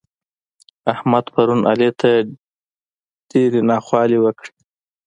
احمد پرون علي ته ډېرې ناخوالې وکړې.